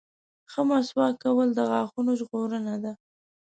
• ښه مسواک کول د غاښونو ژغورنه ده.